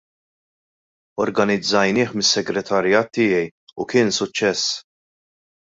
Organizzajnieh mis-Segretarjat tiegħi u kien suċċess.